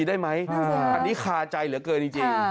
ไงอันนี้ขาใจเหลือเกินจริง